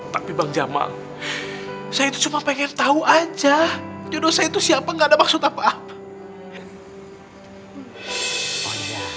tapi bang jamal saya itu cuma pengen tahu aja jodoh saya itu siapa gak ada maksud apa apa